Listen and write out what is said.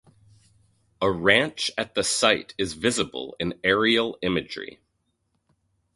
A ranch at the site is visible in aerial imagery.